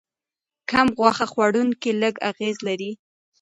کم غوښه خوړونکي لږ اغېز لري.